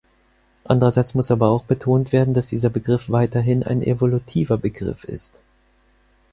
Andererseits muss aber auch betont werden, dass dieser Begriff weiterhin ein evolutiver Begriff ist.